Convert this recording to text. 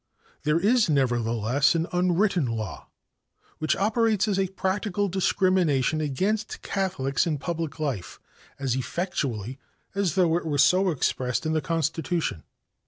There is nevertheless an unwritten law, which operates as a practical discrimination against Catholics in public life as effectually as though it were so expressed in the Constitution.